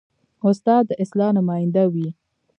استاد د اصلاح نماینده وي.